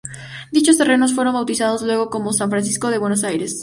Dichos terrenos fueron bautizados luego como "San Francisco de Buenos Aires".